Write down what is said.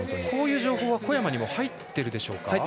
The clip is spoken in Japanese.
こういう情報は小山に入っているでしょうか。